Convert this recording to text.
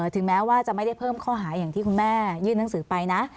ถึงแม้ว่าจะไม่ได้เพิ่มข้อหาอย่างที่คุณแม่ยื่นหนังสือไปนะ